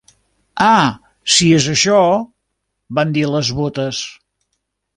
"Ah, si és això..." van dir les botes.